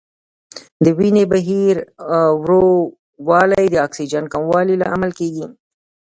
د وینې بهیر ورو والی د اکسیجن کموالي لامل کېږي.